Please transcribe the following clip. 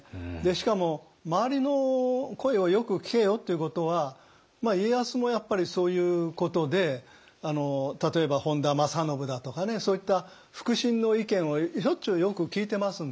しかも周りの声をよく聞けよっていうことは家康もやっぱりそういうことで例えば本多正信だとかねそういった腹心の意見をしょっちゅうよく聞いてますんで。